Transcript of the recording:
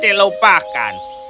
dan segera semua dilupakan